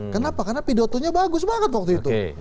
kenapa karena pidato nya bagus banget waktu itu